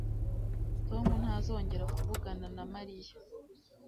Tom ntazongera kuvugana na Mariya